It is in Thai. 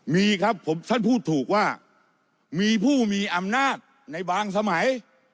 มีครับผมท่านพูดถูกว่ามีผู้มีอำนาจในบางสมัย